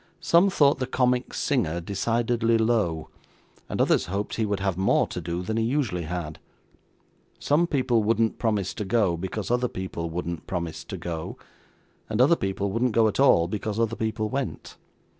Some thought the comic singer decidedly low, and others hoped he would have more to do than he usually had. Some people wouldn't promise to go, because other people wouldn't promise to go; and other people wouldn't go at all, because other people went.